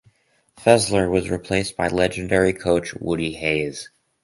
Fesler was replaced by legendary coach Woody Hayes.